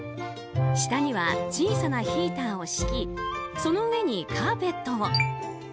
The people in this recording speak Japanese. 下には小さなヒーターを敷きその上にカーペットを。